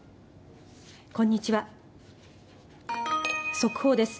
速報です。